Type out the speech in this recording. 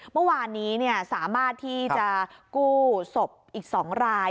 เมื่อวานนี้สามารถที่จะกู้ศพอีก๒ราย